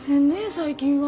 最近は。